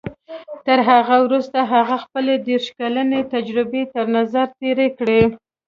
تر هغه وروسته هغه خپلې دېرش کلنې تجربې تر نظر تېرې کړې.